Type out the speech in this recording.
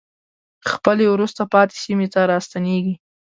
خپلې وروسته پاتې سیمې ته راستنېږي.